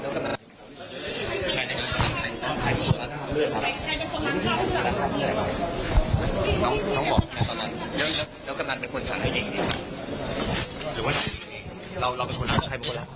เราเป็นคนรักใครเป็นคนรัก